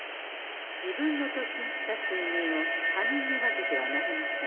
自分の貯金したすいみんを他人に分けてはなりません。